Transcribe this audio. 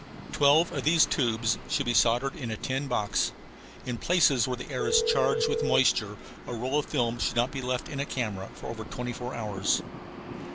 Twelve of these tubes should be soldered in a tin box. In places where the air is charged with moisture a roll of films should not be left in a camera over twenty four hours.